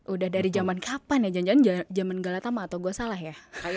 udah dari zaman kapan ya jangan jangan zaman galatama atau gue salah ya